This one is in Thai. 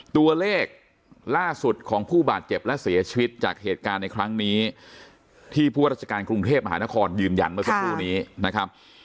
ตัวเลขล่าสุดของผู้บาดเจ็บและเสียชีวิตจากเหตุการณ์ในครั้งนี้ที่ผู้ราชการกรุงเทพมหานครยืนยันเมื่อสักครู่นี้นะครับ